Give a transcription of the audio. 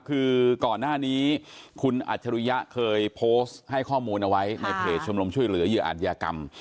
คือก่อนหน้านี้คุณอัจฉริยะเคยโพสต์ให้ข้อมูลเอาไว้ในเพจชมรมช่วยเหลือเหยื่ออาจยากรรม